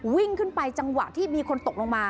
วิ่งขึ้นไปจังหวะที่มีคนตกลงมา